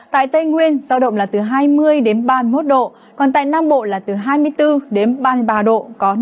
tại tây nguyên giao động là từ hai mươi ba mươi một độ còn tại nam bộ là từ hai mươi bốn ba mươi ba độ